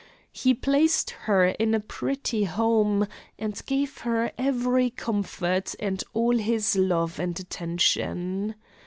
He placed her in a pretty home, and gave her every comfort and all his love and attention.